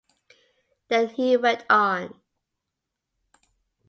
Then he went on.